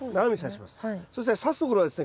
そしてさすところはですね